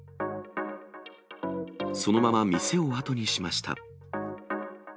そのまま店を後にしました。